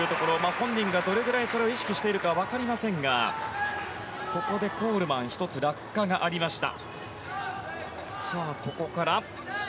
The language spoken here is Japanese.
本人がどれぐらい意識しているか分かりませんがここでコールマン１つ落下がありました。